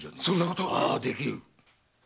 そんなことが⁉ああできる。